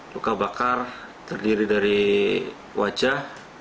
luka bakar terdiri dari wajah